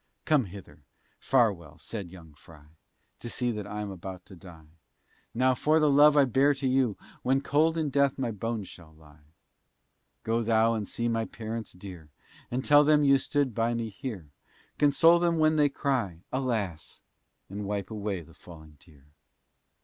Come hither, Farwell, said young Frye, You see that I'm about to die; Now for the love I bear to you, When cold in death my bones shall lie; Go thou and see my parents dear, And tell them you stood by me here; Console them when they cry, Alas! And wipe away the falling tear.